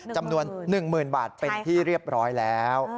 จำนวน๑๐๐๐บาทเป็นที่เรียบร้อยแล้ว